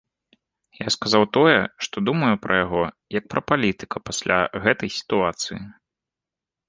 Я сказаў тое, што думаю пра яго, як пра палітыка пасля гэтай сітуацыі.